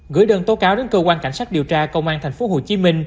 gửi đơn tố cáo đến cơ quan cảnh sát điều tra công an tp hcm